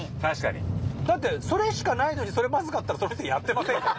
だってそれしかないのにそれマズかったらその店やってませんから。